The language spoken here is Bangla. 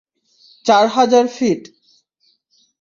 চার হাজার ফিট।